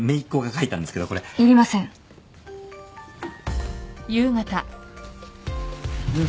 いりません。